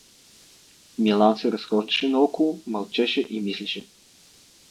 Милан се разхождаше наоколо, мълчеше и мислеше.